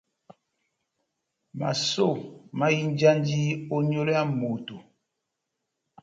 Masó mahinjandi ó nyolo ya moto.